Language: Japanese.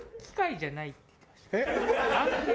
機械じゃないって。